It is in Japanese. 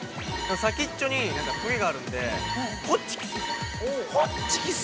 先っちょに何か、くいがあるんでホッチキス。